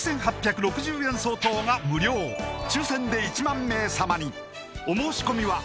４８６０円相当が無料抽選で１万名様にお申し込みは